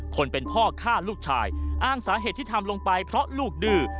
คนเป็นพ่อฆ่าลูกชายอ้างสาเหตุที่ทำลงไปเพราะลูกดื้อ